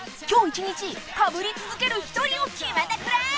「今日一日かぶり続ける１人を決めてくれ！」